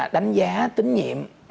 đánh giá tín nhiệm